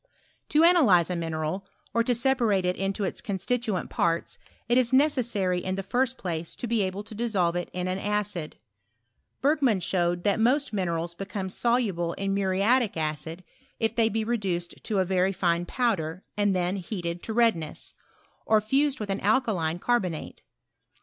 To analyze a mineral, or to sepamte it into its constituent parts, it is necessary in the first place, to be able to dissolve it in an acid. Bergmart showed that most minerals become soluble in muriatic acid PROGRESS OF ANALYTICAL CHEMISTRY. 191 if they be reduced to a very fine powder, and then heated to redness, or fused with an alkaline car bonate.